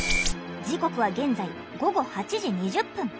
時刻は現在午後８時２０分。